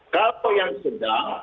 kalau yang sedang